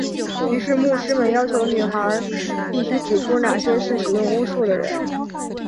于是牧师们要求女孩必须指出哪些是使用巫术的人。